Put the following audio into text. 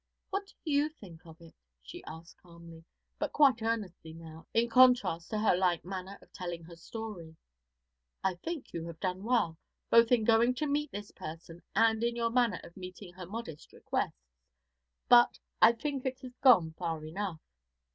'What do you think of it?' she asked calmly, but quite earnestly now, in contrast to her light manner of telling her story. 'I think you have done well, both in going to meet this person and in your manner of meeting her modest requests, but I think it has gone far enough.'